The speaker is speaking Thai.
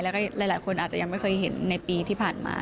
แล้วก็หลายคนอาจจะยังไม่เคยเห็นในปีที่ผ่านมา